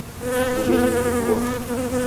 Mghenyu ni vua.